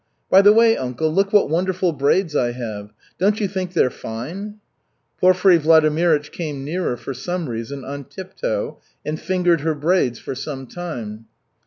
By the way, uncle, look what wonderful braids I have! Don't you think they're fine?" Porfiry Vladimirych came nearer, for some reason, on tiptoe, and fingered her braids for some time.